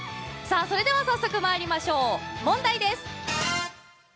それでは早速まいりましょう、問題です。